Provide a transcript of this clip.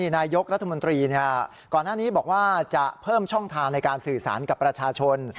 นายกรัฐมนตรีก่อนหน้านี้บอกว่าจะเพิ่มช่องทางในการสื่อสารกับประชาชน